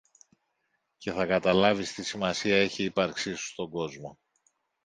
και θα καταλάβεις τι σημασία έχει η ύπαρξη σου στον κόσμο.